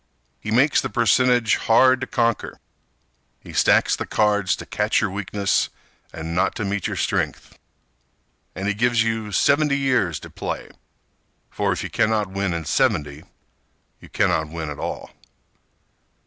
He makes the percentage hard to conquer; He stacks the cards to catch your weakness And not to meet your strength. And he gives you seventy years to play: For if you cannot win in seventy You cannot win at all.